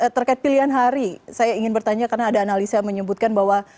terkait pilihan hari saya ingin bertanya karena ada analisa yang menyebutkan bahwa